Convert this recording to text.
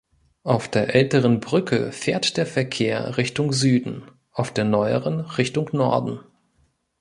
Auf der älteren Brücke fährt der Verkehr Richtung Süden, auf der neueren Richtung Norden.